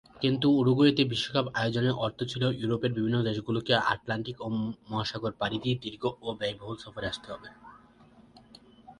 কিন্তু উরুগুয়েতে বিশ্বকাপ আয়োজনের অর্থ ছিল ইউরোপের বিভিন্ন দেশগুলোকে আটলান্টিক মহাসাগর পাড়ি দিয়ে দীর্ঘ ও ব্যয়বহুল সফরে আসতে হবে।